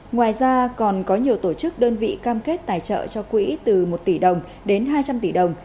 ngoài ra còn có nhiều tổ chức đơn vị cam kết tài trợ cho quỹ từ một tỷ đồng đến hai trăm linh tỷ đồng